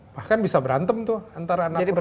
bahkan bisa berantem tuh antara anak muda